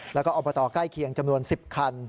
แล้วก็อบตใกล้เคียงจำนวน๑๐คัน